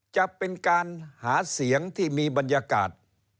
จะเป็นการหาเสียงที่มีบรรยากาศ